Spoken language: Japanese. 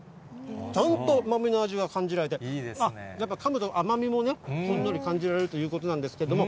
ちゃんと豆の味が感じられて、やっぱ、かむと甘みもね、ほんのり感じられるということなんですけれども。